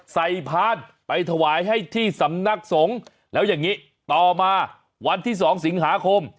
พานไปถวายให้ที่สำนักสงฆ์แล้วอย่างนี้ต่อมาวันที่๒สิงหาคม